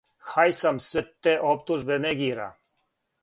Хајсам све те оптужбе негира.